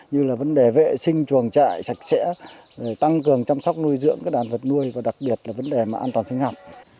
như vấn đề vệ sinh chuồng trại sạch sẽ tăng cường chăm sóc nuôi dưỡng đàn vật nuôi và đặc biệt vấn đề an toàn sinh học